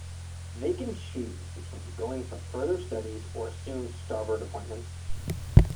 They can choose between going for further studies or assume starboard appointments.